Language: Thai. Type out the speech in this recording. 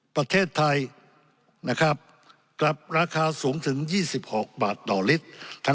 ประเทศไทยนะครับกลับราคาสูงถึง๒๖บาทต่อลิตร